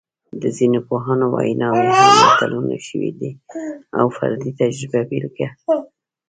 د ځینو پوهانو ویناوې هم متلونه شوي دي او د فردي تجربې بېلګه ده